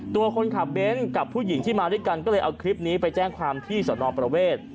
ตัวคนขับเบ้นกับผู้หญิงที่มาด้วยกันก็เลยเอาคลิปนี้ไปแจ้งความที่สนประเวท